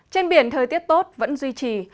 trên biển thời tiết tốt vẫn duy trì